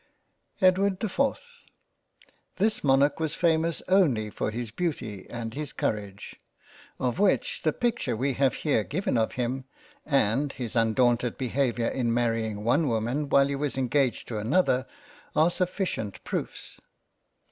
EDWARD the 4th THIS Monarch was famous only for his Beauty and his Courage, of which the Picture we have here given of him, and his undaunted Behaviour in marrying one Woman while he was engaged to another, are sufficient proofs.